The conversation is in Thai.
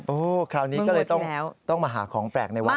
คราวนี้ก็เลยต้องมาหาของแปลกในวัด